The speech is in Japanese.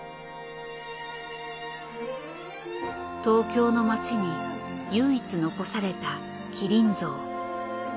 東京の街に唯一残された「麒麟像」。